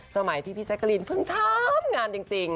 สมัยที่พี่แจ๊กกะรีนเพิ่งทำงานจริง